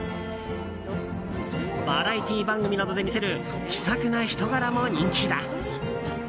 バラエティー番組などで見せる気さくな人柄も人気だ。